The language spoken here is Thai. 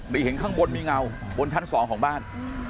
เห็นข้างบนมีเงาบนชั้น๒ของบ้าน